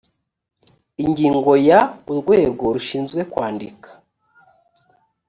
ingingo ya urwego rushinzwe kwandika